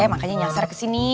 makanya nyasar kesini